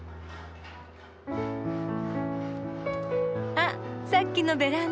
あっさっきのベランダ。